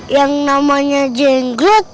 yang namanya jenglot